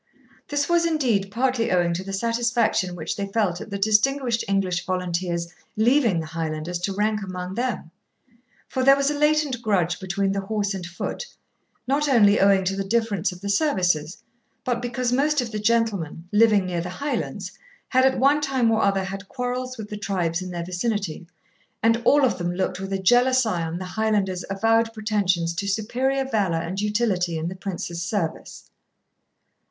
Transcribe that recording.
This was indeed partly owing to the satisfaction which they felt at the distinguished English volunteer's leaving the Highlanders to rank among them; for there was a latent grudge between the horse and foot, not only owing to the difference of the services, but because most of the gentlemen, living near the Highlands, had at one time or other had quarrels with the tribes in their vicinity, and all of them looked with a jealous eye on the Highlanders' avowed pretensions to superior valour and utility in the Prince's service.